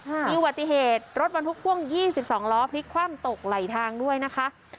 อื้อวัตเทศรถบรรทุกภ่วงยี่สิบสองล้อพลิกความตกไหลทางด้วยนะคะ